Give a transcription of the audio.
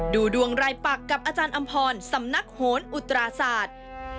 ดูดวงรายปักกับอาจารย์อำพรสำนักโหนอุตราศาสตร์